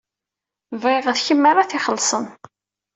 Bɣiɣ d kemm ara t-ixellṣen.